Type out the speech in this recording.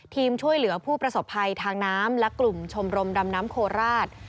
ช่วยเหลือผู้ประสบภัยทางน้ำและกลุ่มชมรมดำน้ำโคราช